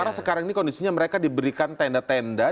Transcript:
karena sekarang ini kondisinya mereka diberikan tenda tenda